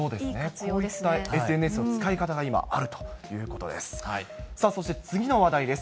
こういったＳＮＳの使い方が今あるということです。